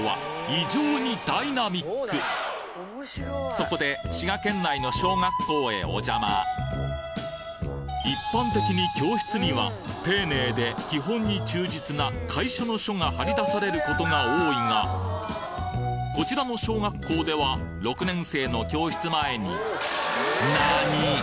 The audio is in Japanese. そこで滋賀県内の小学校へお邪魔一般的に教室には丁寧で基本に忠実な楷書の書が貼りだされる事が多いがこちらの小学校では６年生の教室前に何！？